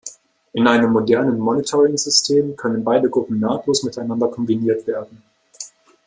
In einem modernen Monitoring-System können beide Gruppen nahtlos miteinander kombiniert werden.